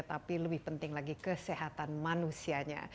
tapi lebih penting lagi kesehatan manusianya